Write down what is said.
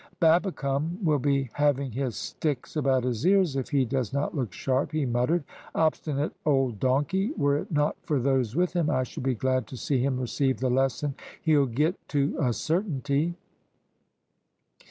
"Babbicome will be having his sticks about his ears if he does not look sharp," he muttered. "Obstinate old donkey, were it not for those with him I should be glad to see him receive the lesson he'll get to a certainty."